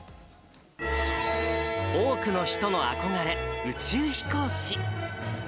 多くの人の憧れ、宇宙飛行士。